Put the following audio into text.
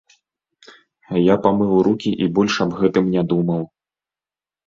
Я памыў рукі і больш аб гэтым не думаў.